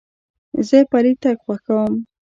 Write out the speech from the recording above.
زه پلي تګ خوښوم.